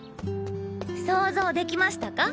想像できましたか？